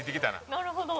なるほど。